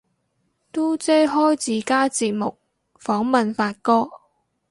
嘟姐開自家節目訪問發哥